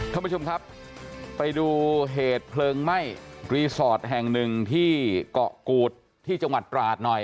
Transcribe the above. คุณผู้ชมครับไปดูเหตุเพลิงไหม้แห่งหนึ่งที่เกาะกูทที่จังหวัดปราสหน่อย